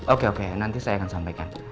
oke oke nanti saya akan sampaikan